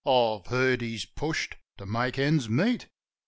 I've heard he's pushed to make ends meet.